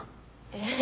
えっ？